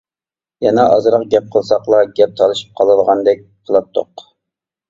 يەنە ئازراق گەپ قىلساقلا گەپ تالىشىپ قالىدىغاندەك قىلاتتۇق.